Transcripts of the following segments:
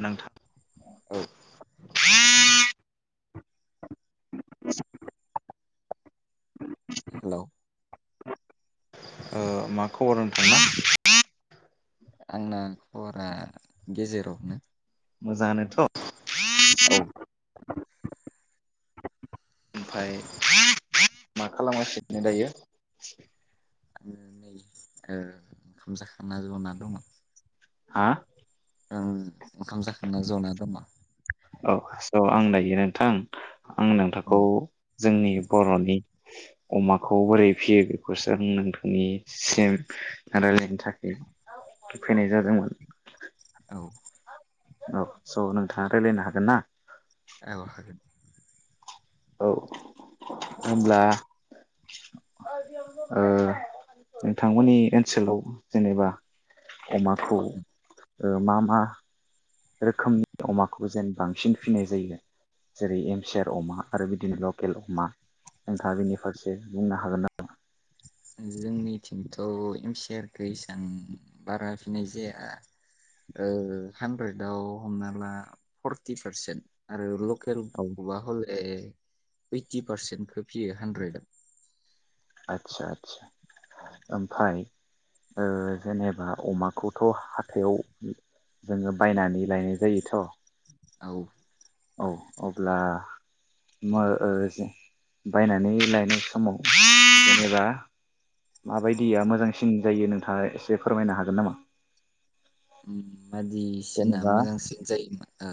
नोंथां औ [unintelligible] [unintelligible] [unintelligible] हेलौ। मा खबर नोंथांना? आंना खबरा गेजेरावनो। मोजांनोथ'। औ ओमफाय मा खालामगासिनो दायो आङो नै ओ ओंखाम जाखांना जना दङ हा ओं ओंखाम जाखांना जना दंङ औ स' आं दायो नोंथां आं नोंथांखौ उम जोंनि बर'नि अमाखौ बोरै फियो बेखौसो आं नोंथांनिसिम रायलायनो थाखाय फैनाय जादोंमोन औ औ स नोंथाङा रायलायनो हागोन ना औ हागोन औ होमब्ला ओ नोंथांमोननि ओनसोलाव जेनेबा अमाखौ मा मा रोखोमनि अमाखौ जेन बांसिन फिनाय जायो जेरै एम सियार अमा आरो बिदिनो लकेल अमा नोंथाङा बिनि फारसे बुंनो हागोन नामा जोंनिथिंथ एम सियारखो एसां बारा फिनाय जाया ओ हानद्रेदाव हमना ला फर्टि पारसेन्ट आरो ल औ लकेलखौबा हले ओयटि पारसेन्टखो फियो हनद्रेदाव आदसा आदसा ओमफाय ओ जेनेबा अमाखौथ हाथायाव जोङो बायनानै लायनाय जायोथ औ। औ अब्ला मो ओ बायनानै लायनाय समाव जेनेबा माबायदिया मोजांसिन जायो नोंथांङा इसे फोरमायनो हागोन नामा [inaudible] बाददिसिना जेनेबा मोजांसिन जायोमोन ओ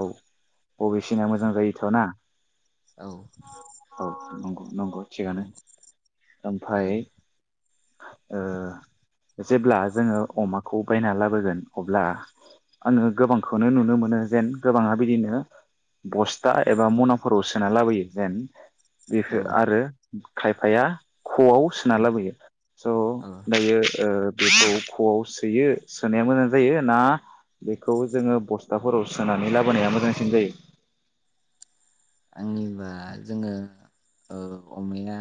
औ बबेसिना मोजां जायोथ ना औ औ नंगौ नंगौ थिगानो उम ओमफाय औ ओ जेब्ला जोंङो अमाखौ बायना लाबोगोन अब्ला आंङो गोबांखौनो नुनो मोनो जेन गोबाङा बिदिनो बस्था एबा मनाफोराव सोना लाबोयो जेन बेखो औ ओ आरो खायफाया खआव सोना लाबोयो स औ दायो ओ बेखौ खवआव सोयो सोनाया मोजां जायो ना बेखौ जोंङो बस्थाफोराव सो नानै लाबोनाया मोजांसिन जायो आंनिबा जोंङो ओ अमाया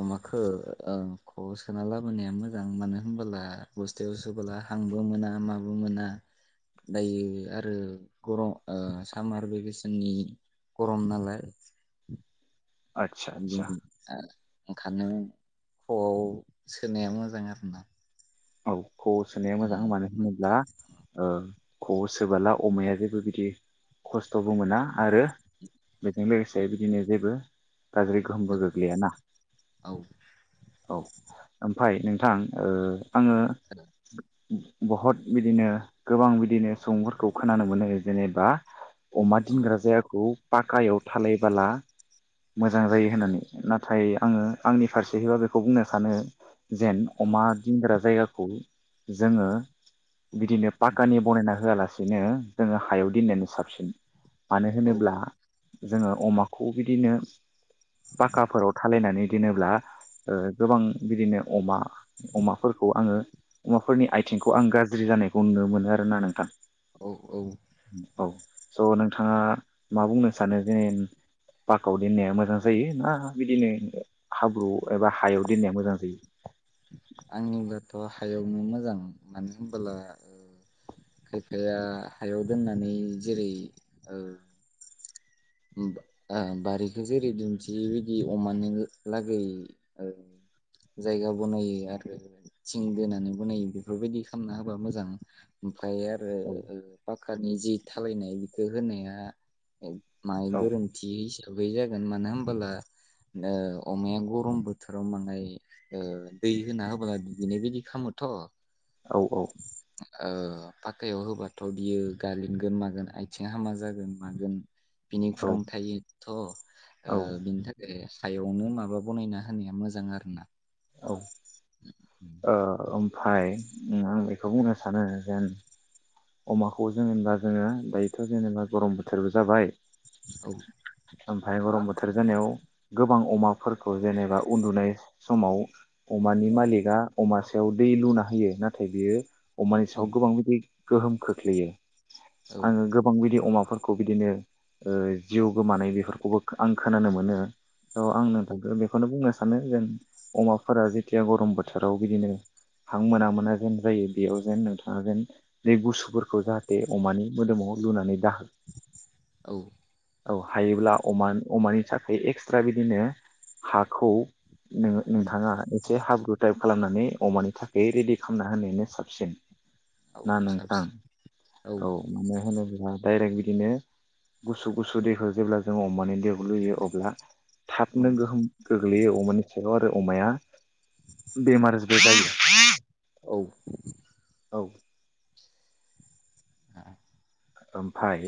अमाखो ओ खआव सोना लाबोनाया मोजां मानो होनबोला बस्थायाव सोबोला हांबो मोना माबो मोना दायो आरो गर ओ सामार भेकेसननि गरम नालाय आदसा आदसा बेजों आ ओंखारनो खआव सोनाया मोजां आरोना औ खआव सोनाया मोजां मानो होनोब्ला ओ खआव सोबोला अमाया जेबो बिदि खस्थ'बो मोना आरो बेजों लोगोसे बिदिनो जेबो गाज्रि गोहोमबो गोग्लैयाना औ औ। ओमफाय नोंथां ओ आंङो बहत बिदिनो गोबां बिदिनो सुबुंफोरखौ खोनानो मोनो जेनेबा अमा दिनग्रा जायाखौ पाकायाव थानायबाला मोजां जायो होननानै नाथाय आंङो आंनि फारसेहैबा बेखौ बुंनो सानो जेन औ अमा दिनग्रा जायगाखौ जोंङो बिदिनो पाकानि बनायना होआलासिनो जोंङो हायाव दिननायानो साबसिन। मानो औ होनोब्ला जोंङो अमाखौ बिदिनो पाखाफोराव थालायनानै दिनोब्ला ओ गोबां बिदिनो अमा अमा फोरखौ आङो अमाफोरनि आइथिंखौ आं गाज्रि जानायखौ नुनो मोनो आरोना नोंथां। औ औ। औ स' नोंथाङा मा बुंनो सानो जेने पाकायाव दोननाया मोजां जायो ना बिदिनो हाब्रु एबा हायाव दोननाया मोजां जायो। आंनिब्लाथ' हायावनो मोजां मानो होनबोला खायफाया हायाव दोननानै जेरै ओ बा आ बारिखौ जेरै दुमन्थियै बिदि अमानि लागै ओ जायगा बनायो आरो थिं दोनानै बनायो बेफोरबायदि खालामना होबा मोजां। आमफाय आरो औ ओ सरखारारनि जि थालायनाय बेखौ होनाया औ। माइ औ गोरोन्थि हिसाब दुगैयि जागोन मानो होनबोला ओ अमाया गरम बोथोराव माहाय दै होना होबला दुगैनाय बायदि खालामोथ' औ औ। ओ पाखायाव होबाथ' बियो गालिनगोन मागोन आथिं हामा जागोन मागोन। बिनि औ खुरां थायो। थ' औ ओ बिनि थाखाय हायावनो माबा बनायना होनाया मोजां आरो ना। औ ओ ओमफाय आं बेखौ बुंनो सानो जेन अमाखौ जोङोंबा जोङो दायोथ' जेनेबा गरम बोथोरबो जाबाय औ। ओमफाय गरम बोथोर जानायाव गोबां अमाफोरखौ जेनेबा उन्दुनाय समाव अमानि मालिकआ अमासेयाव दै लुना होयो नाथाय बेयो अमानि औ सायाव गोबां दै गोहोम खोख्लैयो औ आङो गोबां बिदि अमा फोरखौ बिदिनो जिउ गोमानाय बेफोरखौबो आं खोनानो मोनो। औ आं औ नोंथांखौ बेखौनो बुंनो सानो जेन अमाफोरा जेथिया गरम बोथोराव बिदिनो हां मोना मोना जेन जायो बेयाव जेन नोंथाङा जेन दै गुसुफोरखौ जाहाथे अमानि मोदोमाव लुनानै दाहो। औ औ हायोब्ला अमा अमानि थाखाय एक्सट्रा बिदिनो हाखौ नोङो उम नोंथाङा एसे हाब गुटाइप खालामनानै अमानि थाखाय रेडि खालामना होनायानो साबसिन। औ ना नोंथां साबसिन औ मानो होनो डाइरेक्ट बिदिनो गुसु गुसु दैखौ जेब्ला जों अमानि दैखौ लुयो अब्ला थाबनो उम गोहोम गोग्लैयो अ अमानि सायाव आरो अमाया बेमार जबाय [unintelligible] औ औ ओमफाय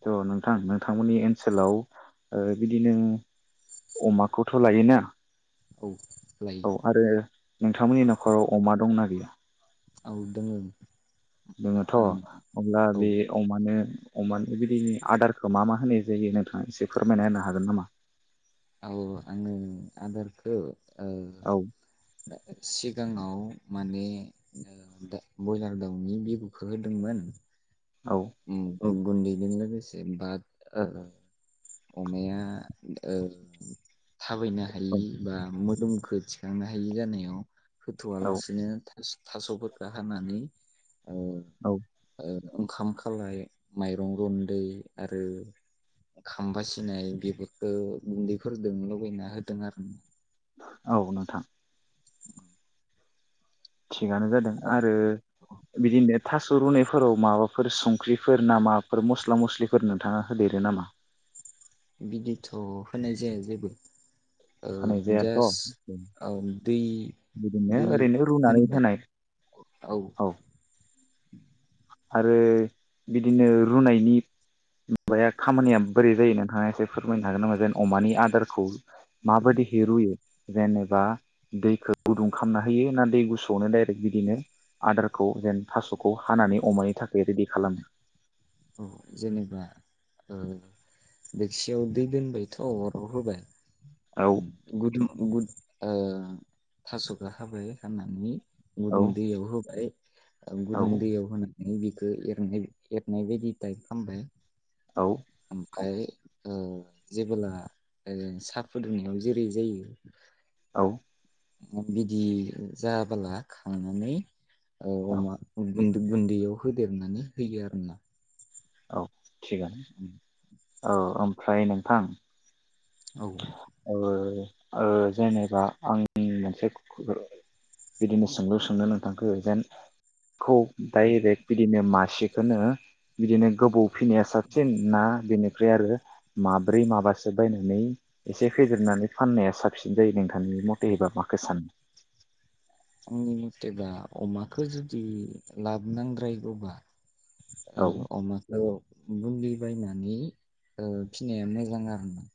ट' नोंथां नोंथांमोननि ओनसोलाव ओ बिदि नो अमाखौथ' लायोना औ लायो औ आरो नोंथांमोननि न'खराव अमा दंना गैया? औ दोङो दोङोथ' आं अब्ला औ बे अमानो अमानो बिदिनो आदारखौ मा मा होनाय जायो नोंथाङा एसे फोरमायना होनो हागोन नामा? औ आंङो आदारखो औ सिगाङाव माने बयलार दाउनि बिबुखौ होदोंमोन औ उम, गुन्दैजों लोगोसे बाद ओ अमाया ओ थाबायनो हायि बा मो दुमखो थिखांनो हायि जानायाव होथ'आ औ लासिनो थास'फोरखौ हानानै ओ औ ओंखामखो खालाय माइरं गुन्दै आरो खाम बासिनाय बेफोरखौ गुन्दैफोरजों लगायना होदों आरो ना औ नोंथां थिगानो जादों आरो बिदिनो थास थुरुनायफोराव माबाफोर संख्रिफोर नामाफोर मस्ला मस्लिफोर नोंथाङा होदेरो नामा? बिदिथ होनाय जाया जेबो। होनाय ओ जायाथ' जास औ दै बिदिनो दै ओरैनो रुनानै दोनबाय होनाय औ। आरो बिदिनो रुनायनि माबाया खामानिया बोरै जायो नोंथाङा एसे फोरमायनो हागोन नामा जेन अमानि आदारखौ? माबायदि हे रुयो? जेनेबा दैखौ गुदुं खालामना होयो ना दै गुसुआवनो डाइरेक्ट बिदिनो आदारखौ जेन थासखौ हानानै अमानि थाखाय रेदि खालामो? औ जेनेबा देखसियाव दै दोनबायथ अराव होबाय औ गदुं गुद थासखो हाबाय हानानै औ गुदुं दैयाव होबाय गदुं औ दैयाव होन बिखौ एरनो नै बेदि टाइफ खामबाय औ। फाय ओम जेबोला साहा फुदुंनायाव जेरै जायो औ। बिदि जाबोला खांनानै औ अमा ओम गुन-गुन्दैयाव होदेरनानै होयो आरोना। औ। थिगानो औ ओम फाय नोंथां औ औ। ओ जेनेबा आं मोनसे बिदिनो सोंलु सोंनो नोंथांखो जेन खौ डाइरेक्ट बिदिनो मासिखौनो बिदिनो गोबाव फिनाया साबसिन ना बेनिफ्राय आरो माब्रै माबासो बायनानै एसे फेदेरनानै फाननाया साबसिन जायो नोंथांनि मथे हबा माखो सानो? आंनि मथेबा अमाखौ जुदि लाब नांद्रायगौबा औ ओ अमाखौ बुन्दि बायनानै ओ फिनाया मोजां आरोना।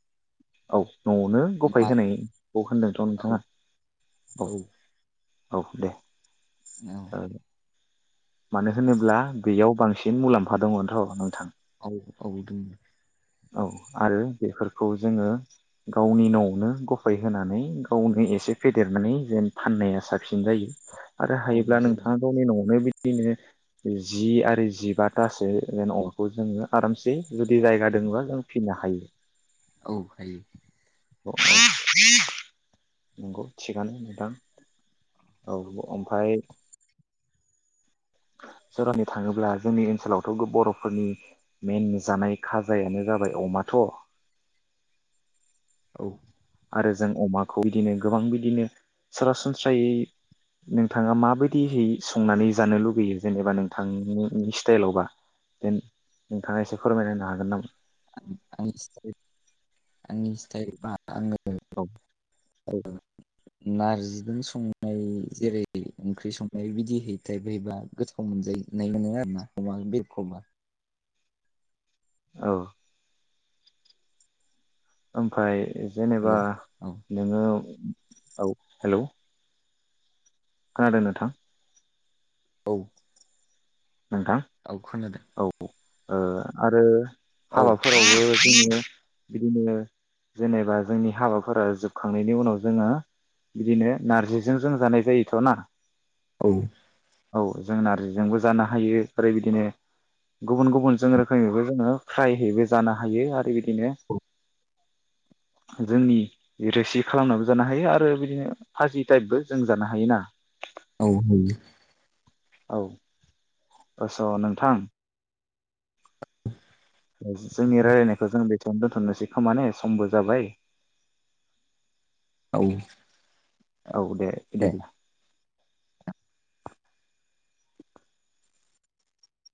औ। नआवनो गफाय मा होनायखौ होन्दोंथ औ नोंथाङा औ। औ औ दे। औ ओ मानो होनोब्ला बेयाव बांसिन मुलाम्फा दङथ नोंथा। औ औ दों। औ आरो बेफोरखौ जोङो गावनि न'आवनो गफाय होनानै गावनो एसे फेदेरनानै जेन फाननाया साबसिन जायो। आरो औ हायोब्ला जायो नोंथाङा गावनि न'आवनो बि बिनो जि आरो जिबाथासो जेन अमाखौ जोङो आरामसे जुदि जायगा दोंबा जों फिनो हायो औ हायो [unintelligible] [inaudible] नंगौ थिगानो नोंथां औ औ ओमफाय सोरावनि थाङोब्ला जोंनि ओनसोलावथ' बर'फोरनि मेन जानाय खाजायानो जाबाय अमाथ' औ आरो जों अमाखौ बिदिनो गोबां बिदिनो सरासनस्रायै नोंथाङा माबायदियै संनानै जानो लुुबैयो जेनेबा नोंथांनि स्टाइलावबा जेन नोंथाङा एसे फोरमायना होनो हागोन नामा? [unintelligible] आंनि स्टाइल बा आङो औ औ नारजिजों संनाय जेरै ओंख्रि संनाय बिदि टाइपहैबा गोथाव मोनजायनाय मोनो आरो ना अमा बेरखबा औ ओमफाय हेल' जेनेबा औ नोङो औ हेल' खोनादों नोथां औ नोंथां औ खोनादों औ ओ आरो औ हाबा फोराबो जोंनि बिदिनो जेनेबा जोंनि हाबाफोरा जोबखांनायनि उनाव जोङो बिदिनो नारजिजों जों जानाय जायोथ'ना औ औ जों नारजिजोंबो जानो हायो आरो बिदिनो गुबुन गुबुन जों रोखोमैबो जोङो फ्रायैबो जानो हायो आरो बिदिनो जोंनि रोसि खालामनानैबो जानो हायो आरो बिदिनो फाजि टाइपबो जों जानो हायो ना औ नुयो औ बस' नोंथां दोनथननोसै खोम ने समबो जाबाय औ औ दे बिदिब्ला